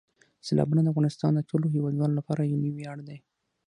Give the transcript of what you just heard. سیلابونه د افغانستان د ټولو هیوادوالو لپاره یو لوی ویاړ دی.